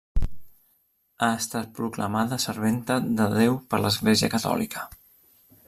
Ha estat proclamada serventa de Déu per l'Església Catòlica.